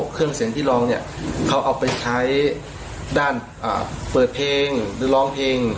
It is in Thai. เครื่องเสียงที่ร้องเนี่ยเขาเอาไปใช้ด้านเปิดเพลงหรือร้องเพลง